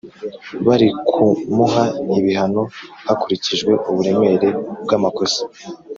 Barikumuha ibihano hakurikijwe uburemere bwamakosa